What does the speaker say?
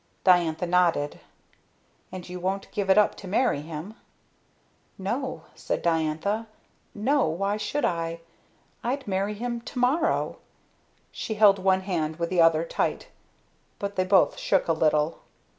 Diantha nodded. "And you won't give it up to marry him?" "No," said Diantha. "No. Why should I? I'd marry him to morrow!" She held one hand with the other, tight, but they both shook a little.